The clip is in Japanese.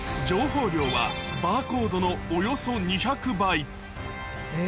情報量はバーコードのおよそ２００倍。